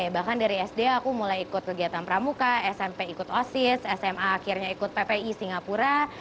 bahkan dari sd aku mulai ikut kegiatan pramuka smp ikut osis sma akhirnya ikut ppi singapura